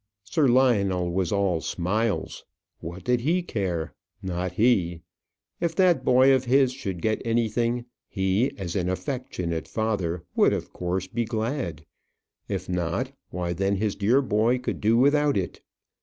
Sir Lionel was all smiles. What did he care? Not he. If that boy of his should get anything, he, as an affectionate father, would, of course, be glad. If not, why then his dear boy could do without it.